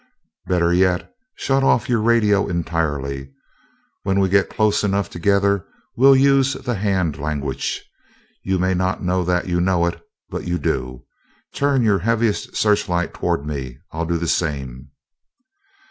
"Better yet, shut off your radio entirely. When we get close enough together, we'll use the hand language. You may not know that you know it, but you do. Turn your heaviest searchlight toward me I'll do the same."